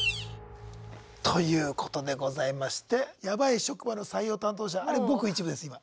ということでございまして「ヤバい職場の採用担当者」あれごく一部です今。